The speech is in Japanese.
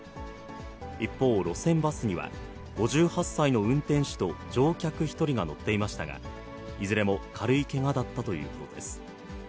一方、路線バスには、５８歳の運転手と乗客１人が乗っていましたが、いずれも軽いけがだったということです。